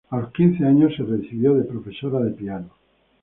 A los quince años se recibió de Profesora de piano.